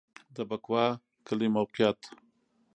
د بکوا کلی موقعیت